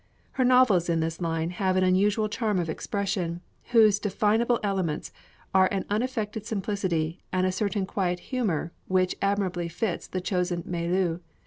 Her novels in this line have an unusual charm of expression, whose definable elements are an unaffected simplicity and a certain quiet humor which admirably fits the chosen milieu.